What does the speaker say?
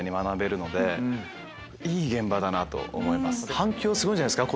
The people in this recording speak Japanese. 反響すごいんじゃないですか？